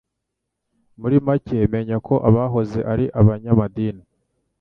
Muri make menya ko abahoze ari abanyamadini